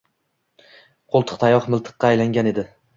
Qoʻltiqtayoq miltiqqa aylangan edi.